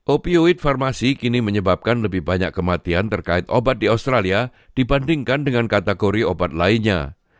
opioid farmasi kini menyebabkan lebih banyak kematian terkait obat di australia dibandingkan dengan kategori obat lainnya